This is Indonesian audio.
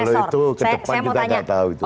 kalau itu kedepannya kita gak tahu itu